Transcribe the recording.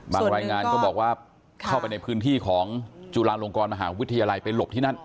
รายงานก็บอกว่าเข้าไปในพื้นที่ของจุฬาลงกรมหาวิทยาลัยไปหลบที่นั่น